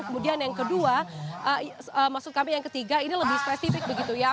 kemudian yang kedua maksud kami yang ketiga ini lebih spesifik begitu ya